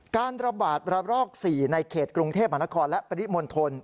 การระบาดระรอก๔ในเขตกรุงเทพมหานครและปริมณฑล